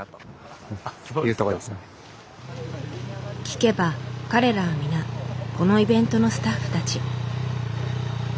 聞けば彼らは皆このイベントのスタッフたち。